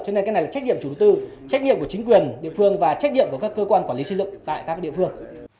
cho nên cái này là trách nhiệm chủ tư trách nhiệm của chính quyền địa phương và trách nhiệm của các cơ quan quản lý xây dựng tại các địa phương